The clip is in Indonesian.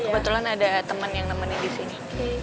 kebetulan ada temen yang nemenin disini